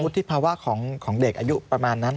ถูกตัวประกูลที่พาวะของเด็กอายุประมาณนั้น